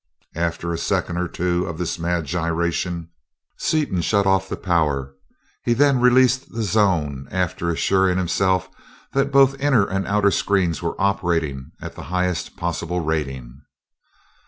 After a second or two of this mad gyration, Seaton shut off the power. He then released the zone, after assuring himself that both inner and outer screens were operating at the highest possible rating.